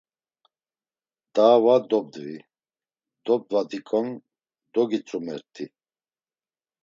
Daa va dobdvi, dobdvatik̆on dogitzumert̆i.